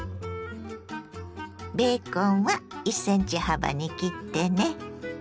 ベーコンは１ｃｍ幅に切ってね。